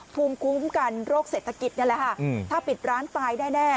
ภูมิคุ้มกันโรคเศรษฐกิจนั่นแหละค่ะถ้าปิดร้านตายแน่